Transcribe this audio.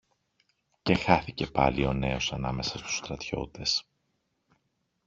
Και χάθηκε πάλι ο νέος ανάμεσα στους στρατιώτες.